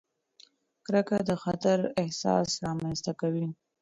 کرکه د خطر احساس رامنځته کوي.